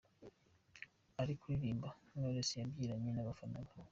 Ari kuririmba, Knowless yabyinanye n’abafana be.